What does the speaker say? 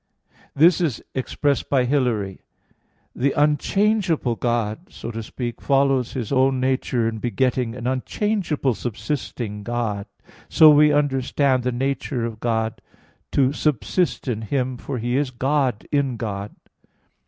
This is expressed by Hilary (De Trin. v), "The unchangeable God, so to speak, follows His own nature in begetting an unchangeable subsisting God. So we understand the nature of God to subsist in Him, for He is God in God."